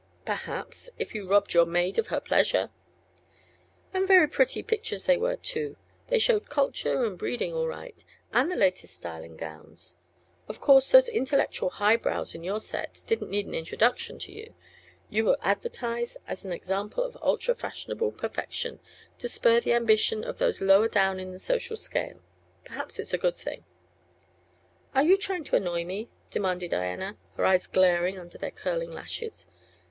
"Perhaps; if you robbed your maid of her pleasure." "And very pretty pictures they were, too. They showed culture and breeding all right, and the latest style in gowns. Of course those intellectual high brows in your set didn't need an introduction to you; you were advertised as an example of ultra fashionable perfection, to spur the ambition of those lower down in the social scale. Perhaps it's a good thing." "Are you trying to annoy me?" demanded Diana, her eyes glaring under their curling lashes.